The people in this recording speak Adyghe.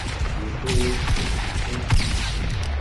Непэ ощх къещхыщта?